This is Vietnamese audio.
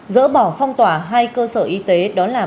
dỡ bỏ phong tỏa hai cơ sở y tế đó là